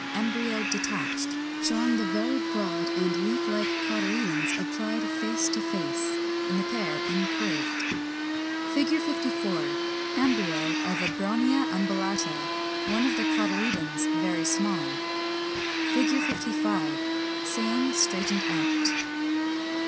Embryo detached; showing the very broad and leaf like cotyledons, applied face to face, and the pair incurved.] [Illustration: Fig. 54. Embryo of Abronia umbellata; one of the cotyledons very small. 55. Same straightened out.